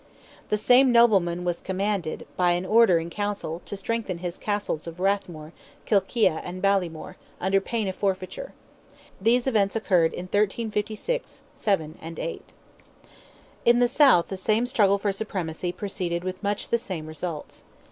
The same nobleman was commanded, by an order in Council, to strengthen his Castles of Rathmore, Kilkea, and Ballymore, under pain of forfeiture. These events occurred in 1356, '7, and '8. In the south the same struggle for supremacy proceeded with much the same results.